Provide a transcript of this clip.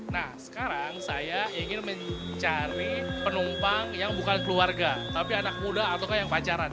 nah sekarang saya ingin mencari penumpang yang bukan keluarga tapi anak muda atau yang pacaran